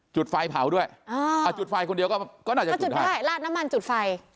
จุดไฟเผาด้วยจุดไฟคนเดียวก็น่าจะจุดได้ลาดน้ำมันจุดไฟ